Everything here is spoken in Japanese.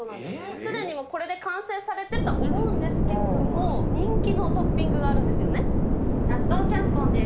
すでにもう、これで完成されてると思うんですけれども、人気のト納豆ちゃんぽんです。